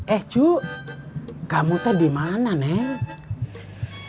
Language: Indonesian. eh cu kamu tuh dimana neng